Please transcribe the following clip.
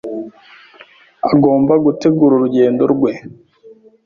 Agomba gutegura urugendo rwe